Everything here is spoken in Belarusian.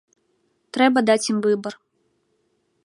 Трэба даць ім выбар.